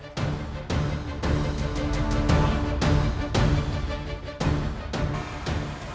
tunggu apa lagi